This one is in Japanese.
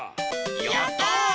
やった！